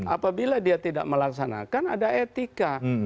apabila dia tidak melaksanakan ada etika